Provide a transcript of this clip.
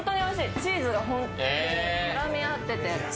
チーズが本当に絡み合ってて。